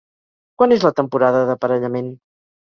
Quan és la temporada d'aparellament?